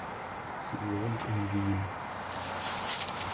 Sie wohnt in Wien.